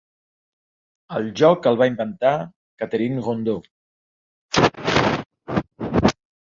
El joc el va inventar Catherine Rondeau.